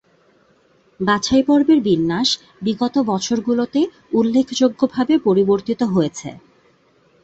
বাছাইপর্বের বিন্যাস বিগত বছরগুলোতে উল্লেখযোগ্যভাবে পরিবর্তিত হয়েছে।